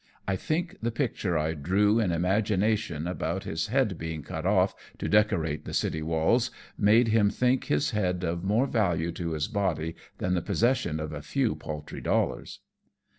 I think the picture I drew in imagination, about his 21?, AMONG TYPHOONS AND PIRATE CRAFT. head being cut oflF to decorate the city walls^ made him think his head of more value to his body than the possession of a few paltry dollars."